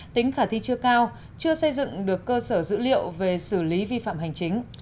tính khả thi chưa cao chưa xây dựng được cơ sở dữ liệu về xử lý vi phạm hành chính